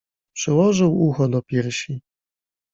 Przyłożył ucho do piersi.